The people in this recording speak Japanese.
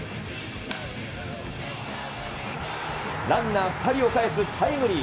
ランナー２人をかえすタイムリー。